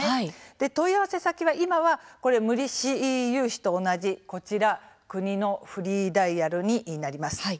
問い合わせ先は今は無利子融資と同じ国のフリーダイヤルになります。